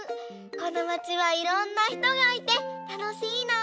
このまちはいろんなひとがいてたのしいな！